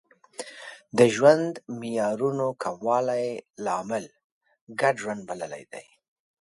د ژوند معیارونو کموالی لامل ګډ ژوند بللی دی